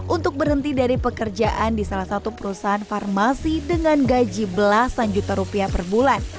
untuk berhenti dari pekerjaan di salah satu perusahaan farmasi dengan gaji belasan juta rupiah per bulan